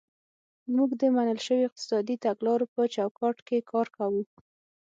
موږ د منل شویو اقتصادي تګلارو په چوکاټ کې کار کوو.